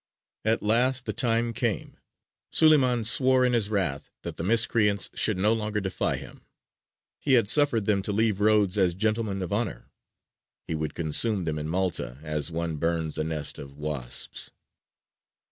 At last the time came: Suleymān swore in his wrath that the miscreants should no longer defy him; he had suffered them to leave Rhodes as gentlemen of honour he would consume them in Malta as one burns a nest of wasps.